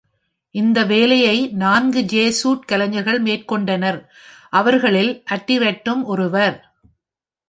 இந்த வேலையை நான்கு ஜேசுட் கலைஞர்கள் மேற்கொண்டனர், அவர்களில் அட்டிரெட்டும் ஒருவர்.